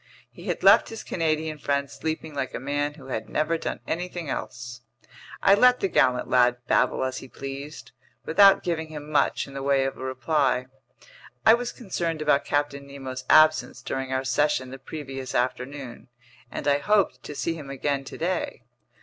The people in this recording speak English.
He had left his Canadian friend sleeping like a man who had never done anything else. I let the gallant lad babble as he pleased, without giving him much in the way of a reply. I was concerned about Captain Nemo's absence during our session the previous afternoon, and I hoped to see him again today.